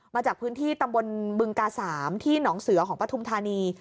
มาจากพื้นที่ตำบลบึงกา๓ที่หนองเสือของปฐุมธานี